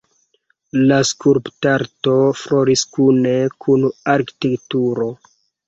La skulptarto floris kune kun arkitekturo.